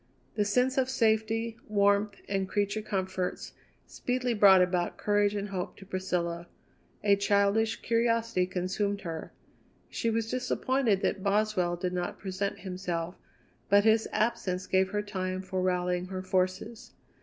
The sense of safety, warmth, and creature comforts speedily brought about courage and hope to Priscilla; a childish curiosity consumed her; she was disappointed that Boswell did not present himself, but his absence gave her time for rallying her forces.